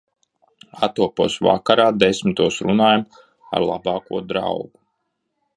Attopos vakarā desmitos runājam ar labāko draugu.